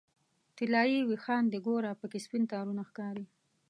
طلایې ویښان دې ګوره پکې سپین تارونه ښکاري